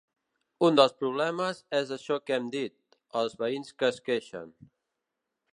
Un dels problemes és això que hem dit: els veïns que es queixen.